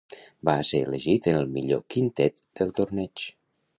Va ser elegit en el millor quintet del torneig.